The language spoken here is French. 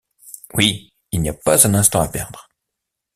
Oui! il n’y a pas un instant à perdre !